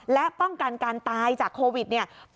และป้องกันการตายจากโควิดเนี่ย